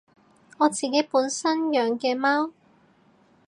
我自己本身養嘅貓